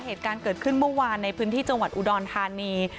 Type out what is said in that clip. เหตุการณ์เกิดขึ้นเมื่อวานในพื้นที่จังหวัดอุดรธานี